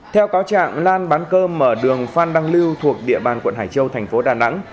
theo cáo trạng lan bán cơm ở đường phan đăng lưu thuộc địa bàn quận hải châu tp đà nẵng